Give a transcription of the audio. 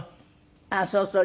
あっそうそう。